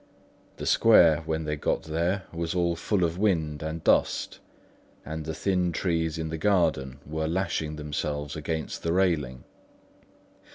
The square, when they got there, was full of wind and dust, and the thin trees in the garden were lashing themselves along the railing.